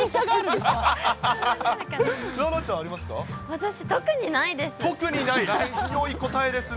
私、特にないです。